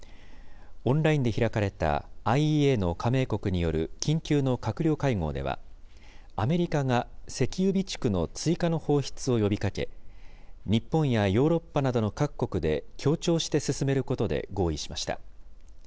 オンラインで開かれたＩＥＡの加盟国による緊急の閣僚会合では、アメリカが石油備蓄の追加の放出を呼びかけ、日本やヨーロッパなどの各国で協調して進めることで合意しました。